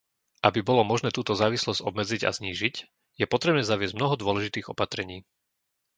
Aby bolo možné túto závislosť obmedziť a znížiť, je potrebné zaviesť mnoho dôležitých opatrení.